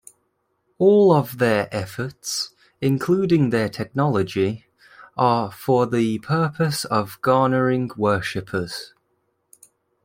All of their efforts, including their technology, are for the purpose of garnering worshippers.